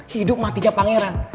hidup matinya pangeran